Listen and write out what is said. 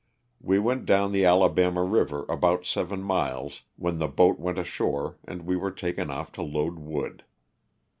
We went down the Alabama river about seven miles, when the boat went ashore and we were taken off to load wood.